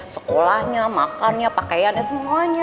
sekolahnya makannya pakaiannya semuanya